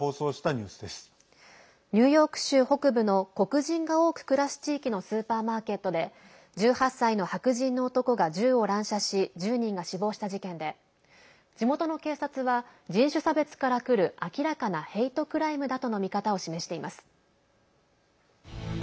ニューヨーク州北部の黒人が多く暮らす地域のスーパーマーケットで１８歳の白人の男が銃を乱射し１０人が死亡した事件で地元の警察は人種差別からくる明らかなヘイトクライムだとの見方を示しています。